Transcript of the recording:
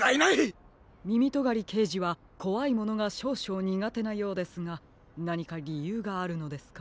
みみとがりけいじはこわいものがしょうしょうにがてなようですがなにかりゆうがあるのですか？